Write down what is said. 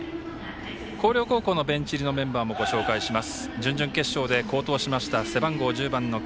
広陵高校のベンチ入りのメンバーもご紹介します。